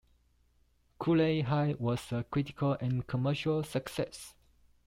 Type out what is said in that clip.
"Cooley High" was a critical and commercial success.